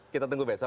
kita tunggu besok